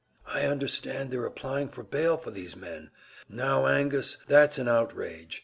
"I understand they're applying for bail for those men. Now Angus, that's an outrage!